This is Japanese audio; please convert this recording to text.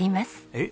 えっ？